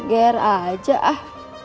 gera aja ah